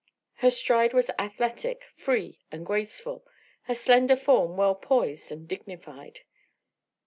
Her stride was athletic, free and graceful; her slender form well poised and dignified.